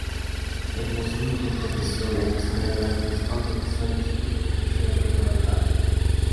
Hermosillo fue profesor en la Escuela de Artes Audiovisuales de la Universidad de Guadalajara.